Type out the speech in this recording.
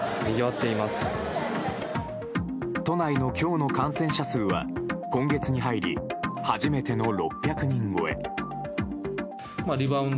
都内の今日の感染者数は今月に入り初めての６００人超え。